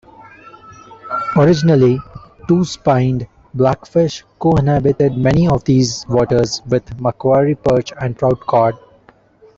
Originally two-spined blackfish co-inhabited many of these waters with Macquarie perch and trout cod.